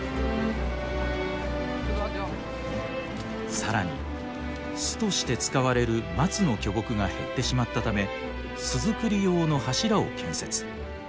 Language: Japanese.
さらに巣として使われる松の巨木が減ってしまったため巣作り用の柱を建設。